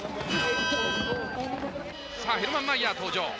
さあヘルマン・マイヤー登場。